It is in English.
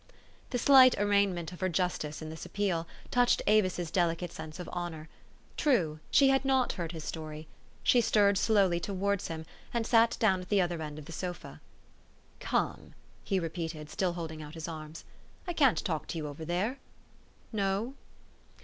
The slight arraignment of her justice in this ap peal, touched Avis's delicate sense of honor. True, she had not heard his story. She stirred slowly to wards him, and sat down at the other end of the sofa. " Come," he repeated still holding out his arms. " I can't talk to you over there. No?